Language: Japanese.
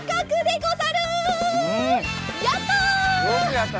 やった！